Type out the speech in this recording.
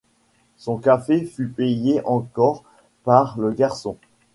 Son café fut payé encore par le garçon.